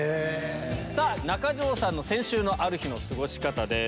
さぁ中条さんの先週のある日の過ごし方です。